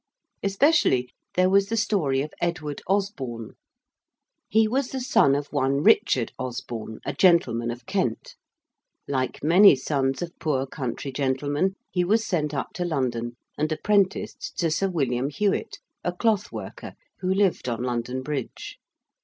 Especially there was the story of Edward Osborne. He was the son of one Richard Osborne, a gentleman of Kent. Like many sons of the poor country gentlemen, he was sent up to London and apprenticed to Sir William Hewitt a cloth worker who lived on London Bridge.